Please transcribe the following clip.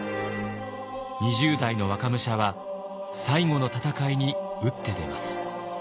２０代の若武者は最後の戦いに打って出ます。